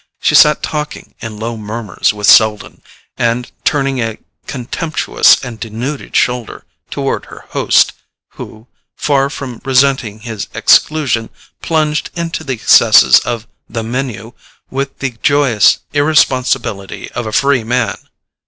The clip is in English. She sat talking in low murmurs with Selden, and turning a contemptuous and denuded shoulder toward her host, who, far from resenting his exclusion, plunged into the excesses of the MENU with the joyous irresponsibility of a free man.